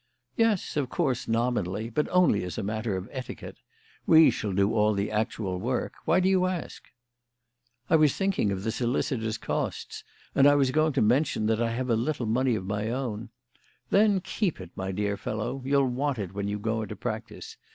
"Yes, of course, nominally; but only as a matter of etiquette. We shall do all the actual work. Why do you ask?" "I was thinking of the solicitor's costs, and I was going to mention that I have a little money of my own " "Then keep it, my dear fellow. You'll want it when you go into practice.